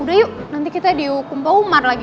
udah yuk nanti kita dihukum pak umar lagi